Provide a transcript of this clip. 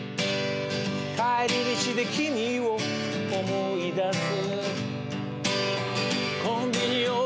帰り道で君を思い出す